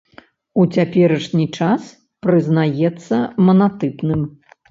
У цяперашні час прызнаецца манатыпным.